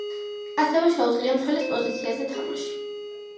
ასევე შეუძლია მცველის პოზიციაზე თამაში.